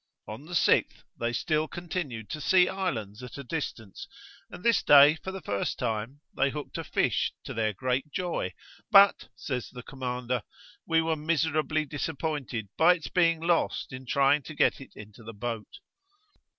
On the 6th, they still continued to see islands at a distance; and this day, for the first time, they hooked a fish, to their great joy; 'but,' says the commander, 'we were miserably disappointed by its being lost in trying to get it into the boat.'